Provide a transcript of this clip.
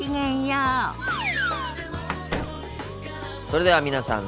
それでは皆さん